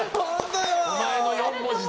お前の４文字で。